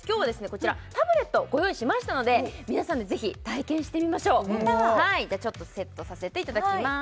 こちらタブレットをご用意しましたので皆さんでぜひ体験してみましょうやったじゃセットさせていただきます